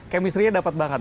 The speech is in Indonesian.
kemisterinya dapat banget